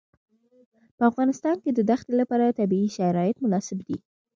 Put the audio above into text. په افغانستان کې د دښتې لپاره طبیعي شرایط مناسب دي.